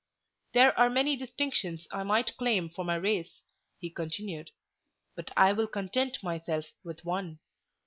"There are many distinctions I might claim for my race," he continued; "but I will content myself with one.